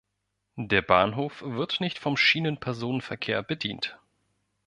Der Bahnhof wird nicht vom Schienenpersonenfernverkehr bedient.